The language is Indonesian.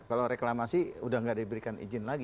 kalau reklamasi udah nggak diberikan izin lagi